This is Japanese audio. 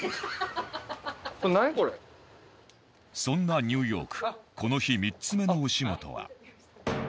そんなニューヨークこの日３つ目のお仕事は。